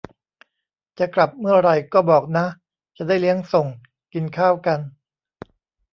จะกลับเมื่อไหร่ก็บอกนะ จะได้เลี้ยงส่ง กินข้าวกัน